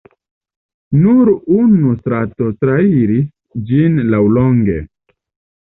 Nur unu strato trairis ĝin laŭlonge.